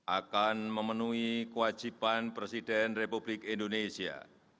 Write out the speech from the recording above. akan memenuhi kewajiban presiden republik indonesia